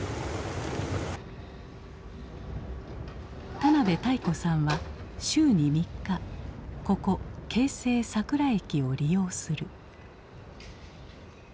田辺泰子さんは週に３日ここ京成佐倉駅を利用する。